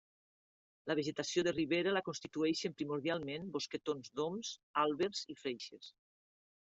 La vegetació de ribera la constitueixen primordialment bosquetons d’oms, àlbers i freixes.